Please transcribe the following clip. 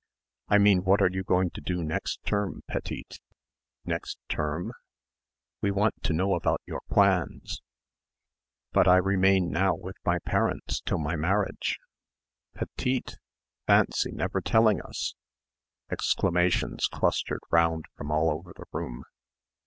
"I mean what are you going to do next term, petite?" "Next term?" "We want to know about your plans." "But I remain now with my parents till my marriage!" "Petite!!! Fancy never telling us." Exclamations clustered round from all over the room.